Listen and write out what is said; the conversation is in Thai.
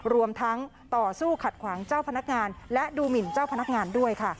รวมทั้งต่อสู้ขัดขวางเจ้าพนักงานและดูหมินเจ้าพนักงานด้วยค่ะ